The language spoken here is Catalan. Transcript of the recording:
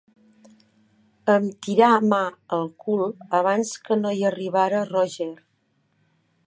Em tirà mà al cul abans que no hi arribara Roger.